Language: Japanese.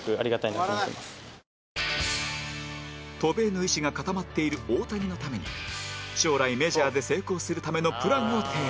渡米の意思が固まっている大谷のために将来メジャーで成功するためのプランを提案